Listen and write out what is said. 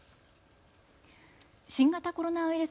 新型コロナウイルス